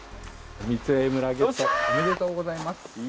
御杖村ゲットおめでとうございます。